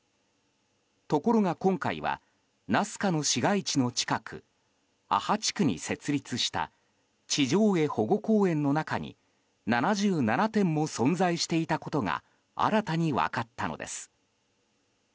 ところが今回はナスカの市街地の近くアハ地区に設立した地上絵保護公園の中に７７点も存在していたことが新たに分かったのです。